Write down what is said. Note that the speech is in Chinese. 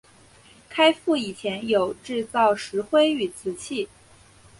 开埠以前有制造石灰与瓷器。